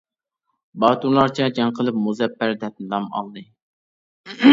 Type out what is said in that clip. باتۇرلارچە جەڭ قىلىپ، مۇزەپپەر دەپ نام ئالدى.